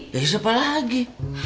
dey siapa lagi